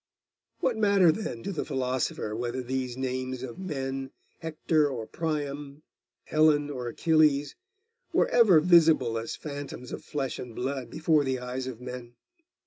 What matter, then, to the philosopher whether these names of men, Hector or Priam, Helen or Achilles, were ever visible as phantoms of flesh and blood before the eyes of men?